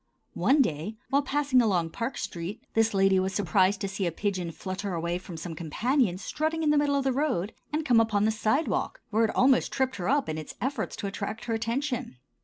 One day, while passing along Park street, this lady was surprised to see a pigeon flutter away from some companions strutting in the middle of the road, and come upon the sidewalk, where it almost tripped her up in its efforts to attract her attention.